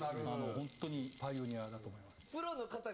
ホントにパイオニアだと思います。